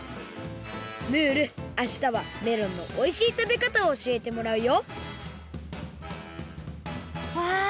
ムールあしたはメロンのおいしい食べかたをおしえてもらうよわあ